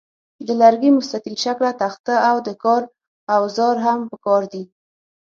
د لرګي مستطیل شکله تخته او د کار اوزار هم پکار دي.